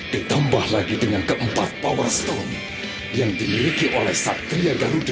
ditambah lagi dengan keempat power stone yang dimiliki oleh satria garuda